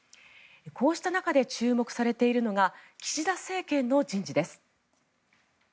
こうした中で注目されているのが岸田政権の人事です。